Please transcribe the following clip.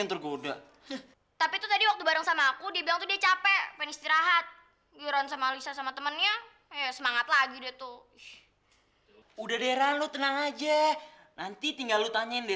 berani beraninya dia pergi dari rumahnya untuk candy